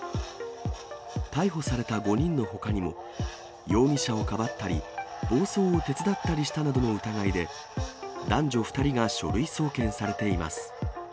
逮捕された５人のほかにも、容疑者をかばったり、暴走を手伝ったりしたなどの疑いで、男女２人が書類送検されています。